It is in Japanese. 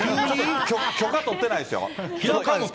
許可取ってないですよ。